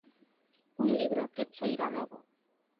Un libro que cheira "a novo".